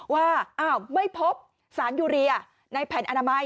ว่าไม่พบศัลยุริในแผนอนามัย